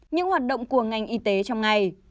những hoạt động của ngành y tế trong ngày